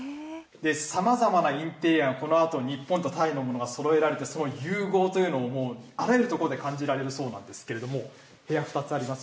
さまざまなインテリア、このあと、日本とタイのものがそろえられて、その融合というものもあらゆるところで感じられるそうなんですけれども、部屋２つあります。